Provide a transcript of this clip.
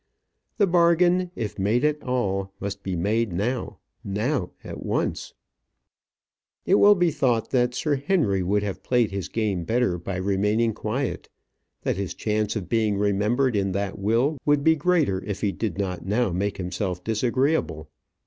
The bargain, if made at all, must be made now now at once. It will be thought that Sir Henry would have played his game better by remaining quiet; that his chance of being remembered in that will would be greater if he did not now make himself disagreeable.